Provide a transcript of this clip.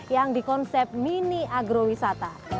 yang di konsep mini agrowisata